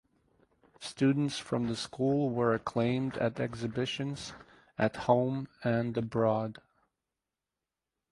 Students from the school were acclaimed at exhibitions at home and abroad.